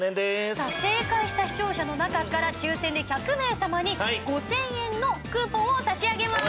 さあ正解した視聴者の中から抽選で１００名様に５０００円のクーポンを差し上げます。